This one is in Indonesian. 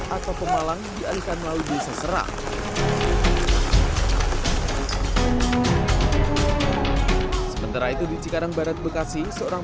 atau pemalang dialihkan melalui desa serang sementara itu di cikarang barat bekasi seorang